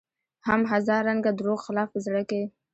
هم هزار رنګه دروغ خلاف په زړه کې